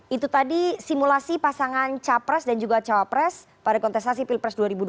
itu tadi simulasi pasangan capres dan juga cawapres pada kontestasi pilpres dua ribu dua puluh